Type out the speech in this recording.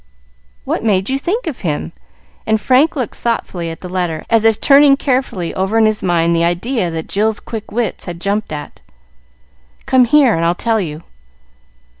"What made you think of him?" and Frank looked thoughtfully at the letter, as if turning carefully over in his mind the idea that Jill's quick wits had jumped at. "Come here and I'll tell you."